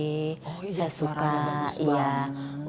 oh iya suaranya bagus banget